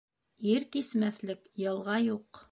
Ир кисмәҫлек йылға юҡ.